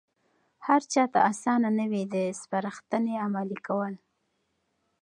هرچاته آسانه نه وي د سپارښتنې عملي کول.